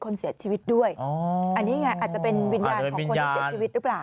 คนเสียชีวิตด้วยอ๋ออันนี้ไงอาจจะเป็นวิญญาณของคนที่เสียชีวิตหรือเปล่า